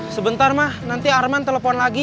sebentar mah nanti arman telepon lagi